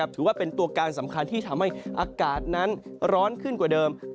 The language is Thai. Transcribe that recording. ถือว่าเป็นตัวการสำคัญที่ทำให้อากาศนั้นร้อนขึ้นกว่าเดิม